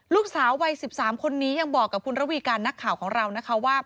ลูกสาววัย๑๓คนนี้ยังบอกกับคุณระวีการนักข่าวของเรานะคะว่า